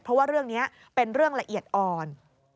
เพราะว่าเรื่องนี้เป็นเรื่องละเอียดอ่อน